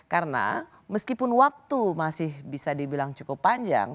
karena meskipun waktu masih bisa dibilang cukup panjang